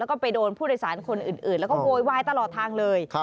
แล้วก็ไปโดนผู้โดยสารคนอื่นแล้วก็โวยวายตลอดทางเลย